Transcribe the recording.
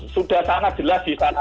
sudah sangat jelas di sana